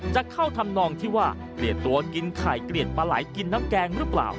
จะเข้าทำนองที่ว่าเปลี่ยนตัวกินไข่เกลียดปลาไหลกินน้ำแกงหรือเปล่า